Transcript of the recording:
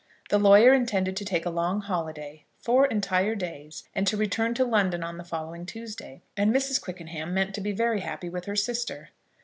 The lawyer intended to take a long holiday, four entire days, and to return to London on the following Tuesday; and Mrs. Quickenham meant to be very happy with her sister.